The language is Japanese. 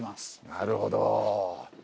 なるほど。